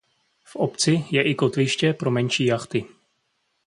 V obci je i kotviště pro menší jachty.